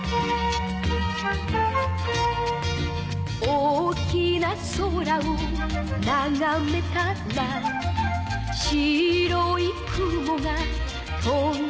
「大きな空をながめたら」「白い雲が飛んでいた」